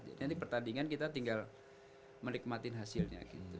jadi pertandingan kita tinggal menikmati hasilnya gitu